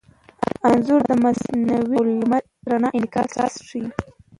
انځور د مصنوعي او لمر رڼا انعکاس ښيي.